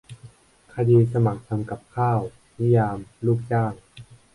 คดีสมัครทำกับข้าว-นิยาม "ลูกจ้าง"